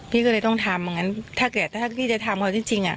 พี่ก็เลยต้องทำอย่างงั้นถ้าแกจะทำเธอกันจริงอ่ะ